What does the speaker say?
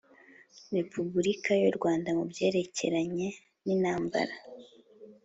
Repubulika yurwanda mu byerekeranye nintambara